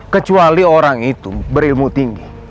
kecuali orang itu berilmu tinggi